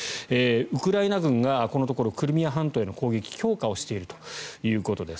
ウクライナ軍がこのところクリミア半島への攻撃を強化しているということです。